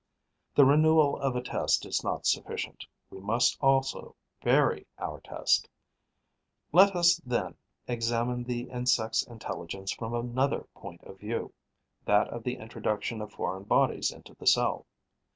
The renewal of a test is not sufficient: we must also vary our test. Let us, then, examine the insect's intelligence from another point of view, that of the introduction of foreign bodies into the cell.